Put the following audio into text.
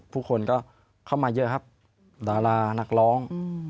ผู้คนก็เข้ามาเยอะครับดารานักร้อง